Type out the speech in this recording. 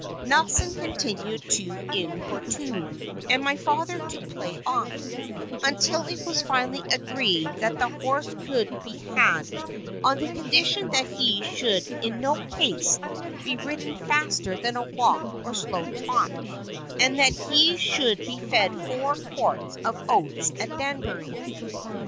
Nelson continued to importune, and my father to play off, until it was finally agreed that the horse could be had on the condition that he should in no case be ridden faster than a walk or slow trot, and that he should be fed four quarts of oats at Danbury.